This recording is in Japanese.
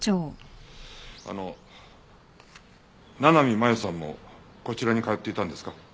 あの七海真友さんもこちらに通っていたんですか？